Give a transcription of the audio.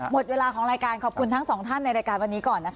หมดเวลาของรายการขอบคุณทั้งสองท่านในรายการวันนี้ก่อนนะคะ